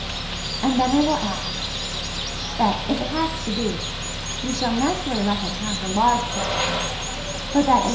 And then I will add: "that, if it has to be, we shall naturally let him have the large picture, but that as G.